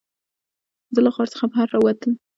زه له غار څخه بهر راووتلم.